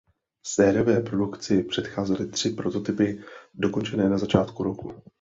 Sériové produkci předcházely tři prototypy dokončené na začátku roku.